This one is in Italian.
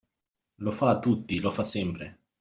Lo fa a tutti, lo fa sempre.